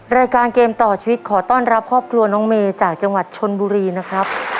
รายการเกมต่อชีวิตขอต้อนรับครอบครัวน้องเมย์จากจังหวัดชนบุรีนะครับ